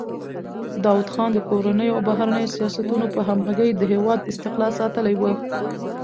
داوود خان د کورنیو او بهرنیو سیاستونو په همغږۍ د هېواد استقلال ساتلی و.